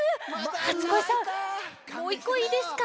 初恋さんもういっこいいですか？